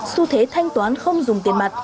su thế thanh toán không dùng tiền mặt